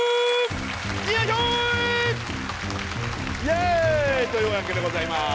イエーイというわけでございます